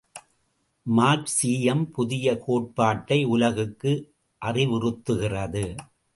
மார்க்சீயம் புதிய கோட்பாட்டை உலகுக்கு அறிவுறுத்துகிறது.